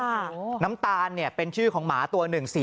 น้ำตาลเนี่ยเป็นชื่อของหมาตัว๑๔